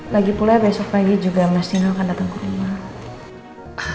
lagi pula besok pagi juga mas dino akan datang ke rumah